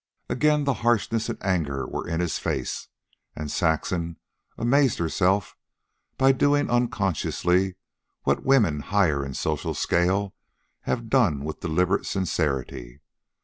Again the harshness and anger were in his face, and Saxon amazed herself by doing unconsciously what women higher in the social scale have done with deliberate sincerity.